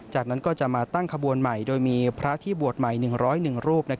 จากนั้นก็จะมาตั้งขบวนใหม่โดยมีพระที่บวชใหม่๑๐๑รูป